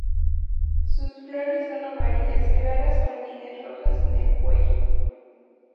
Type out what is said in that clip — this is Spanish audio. Sus flores son amarillas claras con líneas rojas en el cuello.